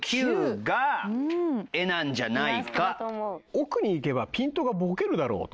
奥に行けばピントがボケるだろうと。